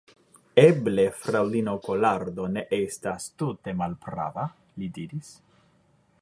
Eble fraŭlino Kolardo ne estas tute malprava, li diris.